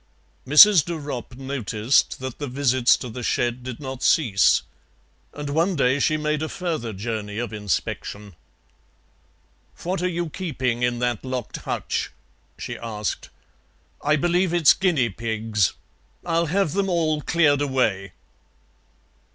Mrs. de Ropp noticed that the visits to the shed did not cease, and one day she made a further journey of inspection. "What are you keeping in that locked hutch?" she asked. "I believe it's guinea pigs. I'll have them all cleared away."